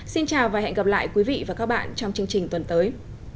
xin chào và hẹn gặp lại quý vị và các bạn trong chương trình tuần tới